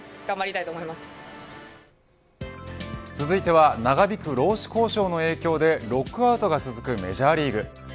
続いては長引く労使交渉の影響でロックアウトが続くメジャーリーグ。